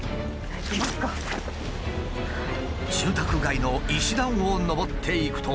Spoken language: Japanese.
住宅街の石段を上っていくと。